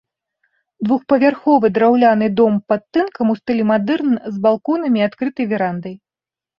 Двухпавярховы драўляны дом пад тынкам у стылі мадэрн з балконамі і адкрытай верандай.